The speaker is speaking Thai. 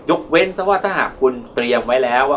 เว้นซะว่าถ้าหากคุณเตรียมไว้แล้วว่า